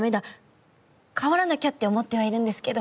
変わらなきゃって思ってはいるんですけど。